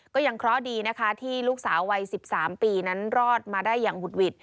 ก็ยังเคราะห์ดีนะคะที่ลูกสาววัย๑๓ปีนั้นรอดมาได้อย่างหุดหวิด